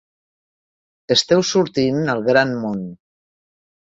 Esteu sortint al gran món.